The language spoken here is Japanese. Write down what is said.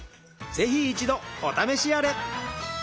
ぜひ一度お試しあれ！